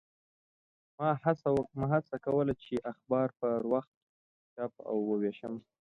ما هڅه کوله چې اخبار پر وخت چاپ او ووېشم.